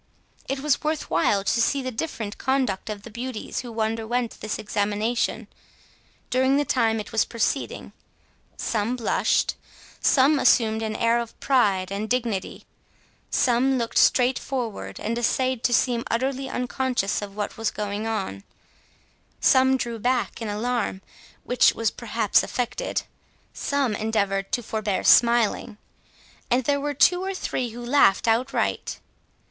It was worth while to see the different conduct of the beauties who underwent this examination, during the time it was proceeding. Some blushed, some assumed an air of pride and dignity, some looked straight forward, and essayed to seem utterly unconscious of what was going on, some drew back in alarm, which was perhaps affected, some endeavoured to forbear smiling, and there were two or three who laughed outright.